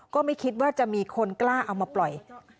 ก็ไม่คิดว่าจะมีคนกล้าเอามาปล่อย